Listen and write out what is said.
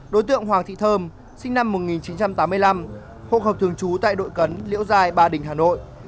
đối tượng hoàng thị thơm sinh năm một nghìn chín trăm tám mươi năm hộ khẩu thường trú tại đội cấn liễu giai ba đình hà nội